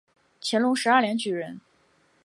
乾隆十二年举人。